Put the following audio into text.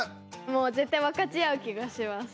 もうぜったい分かち合う気がします。